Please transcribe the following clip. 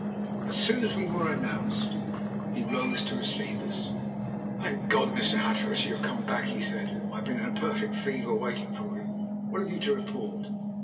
As soon as we were announced he rose to receive us. "Thank God, Mr. Hatteras, you have come back!" he said. "I have been in a perfect fever waiting for you. What have you to report?"